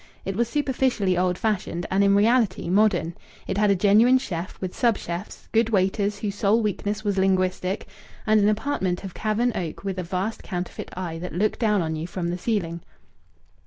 It was superficially old fashioned, and in reality modern. It had a genuine chef, with sub chefs, good waiters whose sole weakness was linguistic, and an apartment of carven oak with a vast counterfeit eye that looked down on you from the ceiling.